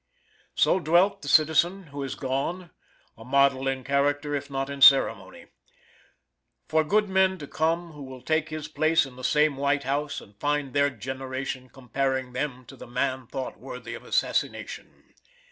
So dwelt the citizen who is gone a model in character if not in ceremony, for good men to come who will take his place in the same White House, and find their generation comparing them to the man thought worthy of assassination.